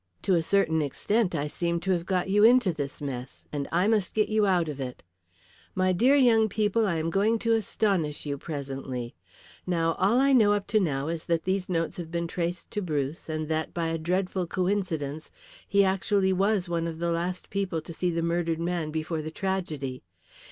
"To a certain extent I seem to have got you into this mess, and I must get you out of it. My dear young people, I am going to astonish you presently. Now, all I know up to now is that these notes have been traced to Bruce, and that, by a dreadful coincidence, he actually was one of the last people to see the murdered man before the tragedy.